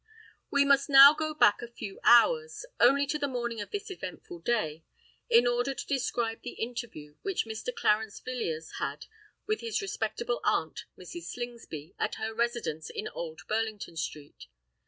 We must now go back a few hours—only to the morning of this eventful day—in order to describe the interview which Mr. Clarence Villiers had with his respectable aunt Mrs. Slingsby, at her residence in Old Burlington Street.